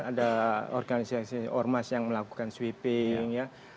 ada organisasi ormas yang melakukan sweeping ya